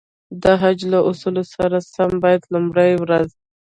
د حج له اصولو سره سم باید لومړی ورځ.